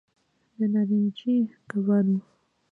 د نارنجي کبانو